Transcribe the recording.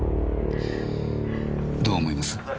どう思います？